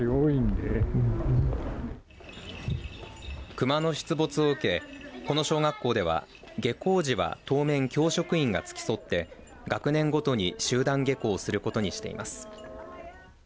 熊の出没を受けこの小学校では下校時は当面教職員が付き添って学年ごとに集団下校することにしています。